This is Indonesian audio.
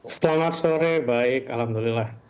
selamat sore baik alhamdulillah